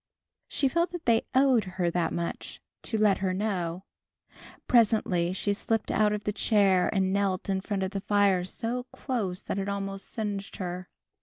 She felt that they owed her that much to let her know. Presently she slipped out of the chair and knelt in front of the fire so close that it almost singed her.